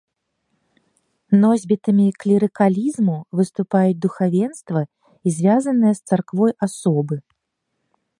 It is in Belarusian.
Носьбітамі клерыкалізму выступаюць духавенства і звязаныя з царквой асобы.